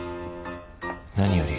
何より。